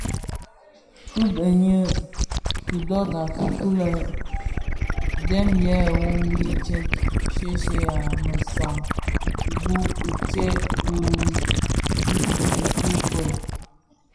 Ki bëni kidogsèna ki lè dèm yè wumzi shyeshye a mesaň ibu u tsèb ki nkun ki fuèi.